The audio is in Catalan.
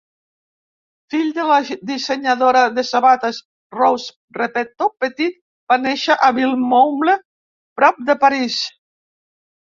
Fill de la dissenyadora de sabates Rose Repetto, Petit va néixer a Villemomble, prop de París.